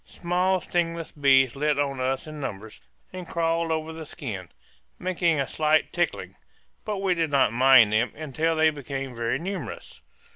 Small stingless bees lit on us in numbers and crawled over the skin, making a slight tickling; but we did not mind them until they became very numerous.